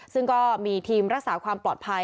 ซึ่งก็มีทีมรักษาความปลอดภัย